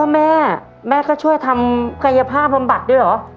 แม่แม่ก็ช่วยทำกายภาพบำบัดด้วยเหรอ